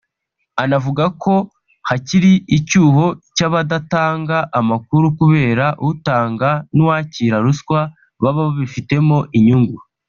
Anavuga ko hakiri icyuho cy’abadatanga amakuru kubera utanga n’uwakira ruswa baba babifitemo inyungu